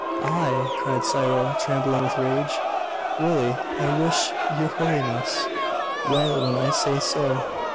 'I?' cried Cyril, trembling with rage. 'Really I wish your Holiness well when I say so.